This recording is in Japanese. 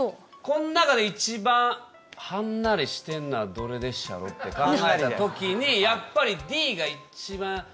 この中で一番はんなりしてるのはどれでっしゃろ？って考えた時にやっぱりＤが一番。